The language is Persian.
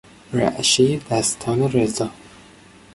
رعشهی دستان رضا